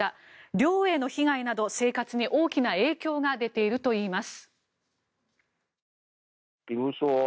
漁への被害など生活に大きな影響が出ているといいます。